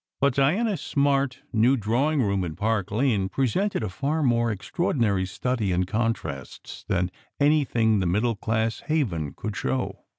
But Diana s smart new drawing room in Park Lane presented a far more extraor dinary study in contrasts than anything the middle class "Haven" could show.